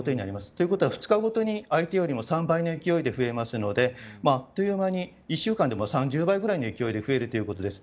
ということは、２日ごとに相手より３倍の勢いで増えるのであっという間に１週間で３０倍ぐらいの勢いで増えるということです。